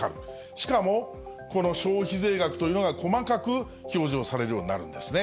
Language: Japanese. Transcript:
しかもこの消費税額というのが細かく表示をされるようになるんですね。